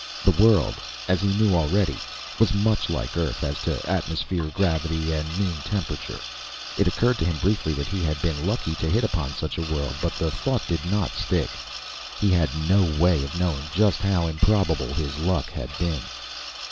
The world, as he knew already, was much like Earth as to atmosphere, gravity and mean temperature. It occurred to him briefly that he had been lucky to hit upon such a world, but the thought did not stick; he had no way of knowing just how improbable his luck had been.